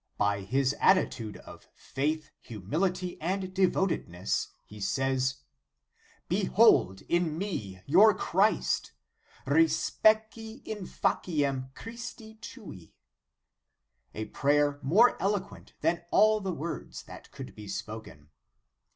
By this attitude of faith, humility, and devotedness, he says: "Behold in me your Christ, respice in faciem Christi tui;" a prayer more eloquent than all the words that could be spoken.